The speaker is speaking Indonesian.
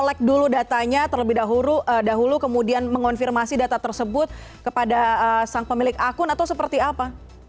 cek dulu datanya terlebih dahulu kemudian mengonfirmasi data tersebut kepada sang pemilik akun atau seperti apa